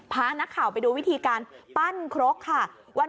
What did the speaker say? พานักข่าวไปดูวิธีการปั้นครกค่ะ